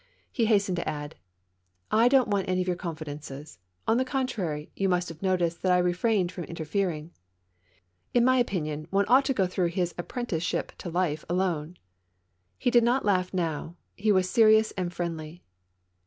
He hastened to add :" I don't want any of your confidances. On the con trary, you must have noticed that I refrained from inter fering. In my opinion one ought to go through his apprenticeship to life alone." He did not laugh now ; he was serious and friendly.